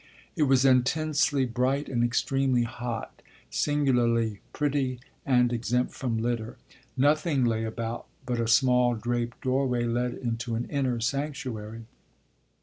It was intensely bright and extremely hot, singularly pretty and exempt from litter. Nothing lay about, but a small draped doorway led into an inner sanctuary.